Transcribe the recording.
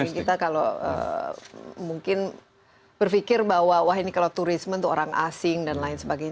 mungkin kita kalau mungkin berpikir bahwa wah ini kalau turisme untuk orang asing dan lain sebagainya